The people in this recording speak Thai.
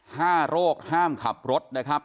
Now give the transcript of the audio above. โรคห้ามขับรถนะครับ